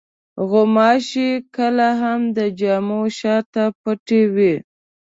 غوماشې کله هم د جامو شاته پټې وي.